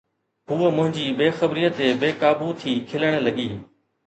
هوءَ منهنجي بي خبريءَ تي بي قابو ٿي کلڻ لڳي